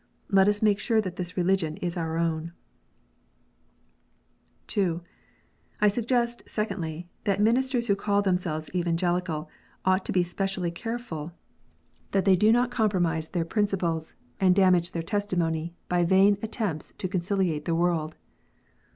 Let us make sure that this religion is our (2*) I suggest, secondly, that ministers who call themselves Evangelical, ought to be specially careful that they do not com EVANGELICAL RELIGION. 21 promise their jwinciples, and damage their testimony, by vain attempts to conciliate the world.